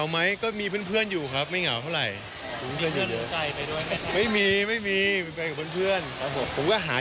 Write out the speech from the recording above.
ไม่มีใครจะมาสมัครเชิญนะฮะ